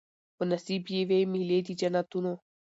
په نصیب یې وي مېلې د جنتونو